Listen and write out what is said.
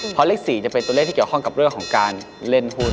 เพราะเลข๔จะเป็นตัวเลขที่เกี่ยวข้องกับเรื่องของการเล่นหุ้น